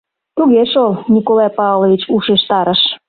— Туге шол, Николай Павлович, ушештарыш.